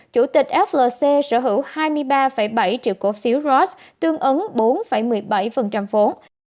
chủ tịch flc sở hữu hai mươi ba bảy triệu cổ phiếu ross tương ứng bốn một mươi bảy vốn